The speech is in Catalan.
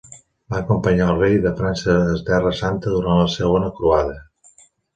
Va acompanyar al rei de França a Terra Santa durant la segona croada.